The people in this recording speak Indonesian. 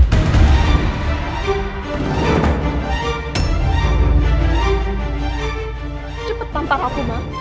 cepet tampar aku ma